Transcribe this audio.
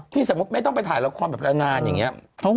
ที่สมมติไม่ต้องไปถ่ายละครแบบละนานอย่างเงี้ย